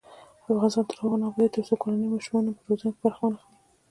افغانستان تر هغو نه ابادیږي، ترڅو کورنۍ د ماشومانو په روزنه کې برخه وانخلي.